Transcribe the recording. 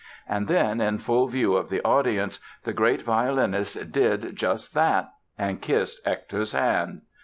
And then, in full view of the audience, the great violinist did just that and kissed Hector's hand!